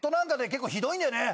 結構ひどいんだよね。